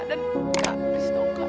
dan kak please dong kak